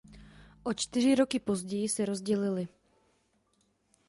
O čtyři roky později se rozdělily.